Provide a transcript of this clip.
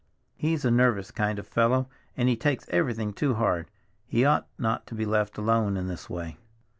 He's a nervous kind of a fellow, and he takes everything too hard. He ought not to be left alone in this way."